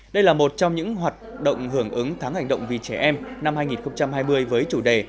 đây là một trong những hoạt động hưởng ứng tháng hành động vì trẻ em năm hai nghìn hai mươi với chủ đề